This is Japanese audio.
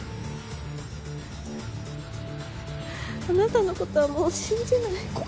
あなたのことはもう信じない。